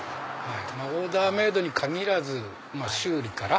オーダーメイドに限らず修理から。